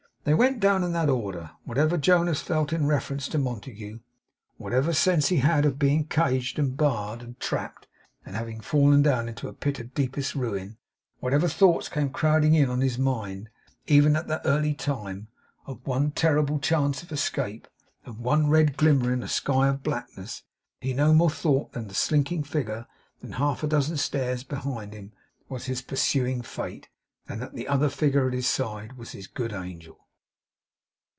They went down in that order. Whatever Jonas felt in reference to Montague; whatever sense he had of being caged, and barred, and trapped, and having fallen down into a pit of deepest ruin; whatever thoughts came crowding on his mind even at that early time, of one terrible chance of escape, of one red glimmer in a sky of blackness; he no more thought that the slinking figure half a dozen stairs behind him was his pursuing Fate, than that the other figure at his side was his Good Angel.